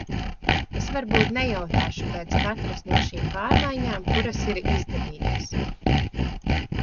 Es varbūt nejautāšu pēc katras no šīm pārmaiņām, kuras ir izdarītas.